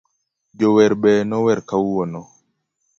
Jower be nower kawuono,.